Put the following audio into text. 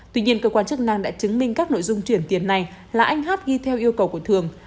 tuy nhiên cơ quan chức năng đã chứng minh các nội dung chuyển tiền này là anh hát ghi theo yêu cầu của thường